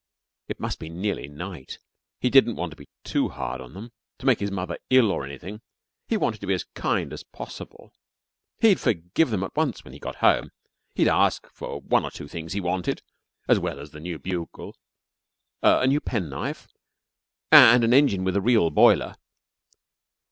It must be nearly night. He didn't want to be too hard on them, to make his mother ill or anything. He wanted to be as kind as possible. He'd forgive them at once when he got home. He'd ask for one or two things he wanted, as well as the new bugle. A new penknife, and an engine with a real boiler.